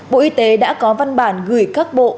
bộ y tế đã có văn bản gửi các bộ